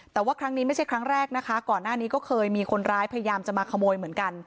แต่ว่าครั้งนี้ไม่ใช่ครั้งแรกนะคะก่อนหน้านี้ก็เคยมีคนร้ายพยายามจะมาขโมยเหมือนกัน